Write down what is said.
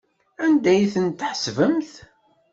Anda ay ten-tḥesbemt?